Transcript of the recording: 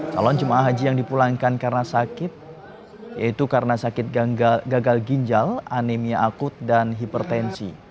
calon jemaah haji yang dipulangkan karena sakit yaitu karena sakit gagal ginjal anemia akut dan hipertensi